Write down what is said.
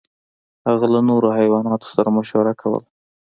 هغه له نورو حیواناتو سره مشوره کوله.